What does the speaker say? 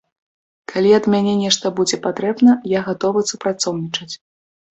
Калі ад мяне нешта будзе патрэбна, я гатовы супрацоўнічаць.